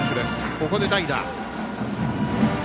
ここで代打。